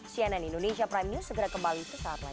cnn indonesia prime news segera kembali ke saat lagi